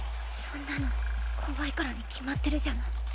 そんなの怖いからに決まってるじゃない。